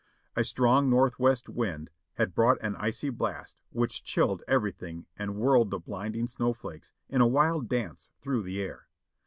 A strong northwest wind had brought an icy blast which chilled everything and whirled the blinding snow flakes in a wild dance through the air.